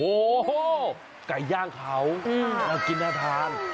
โอ้โหไก่ย่างเขาน่ากินน่าทาน